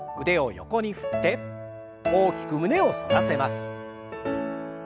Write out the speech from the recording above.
腕を横に振って大きく胸を反らせます。